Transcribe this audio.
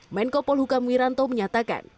menko polhukam wiranto menyatakan